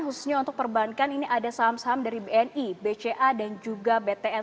khususnya untuk perbankan ini ada saham saham dari bni bca dan juga btn